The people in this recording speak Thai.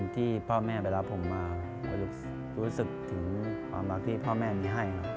ที่พ่อแม่ไปรับผมมารู้สึกถึงความรักที่พ่อแม่มีให้ครับ